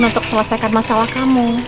untuk selesaikan masalah kamu